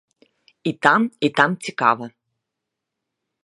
І там, і там цікава.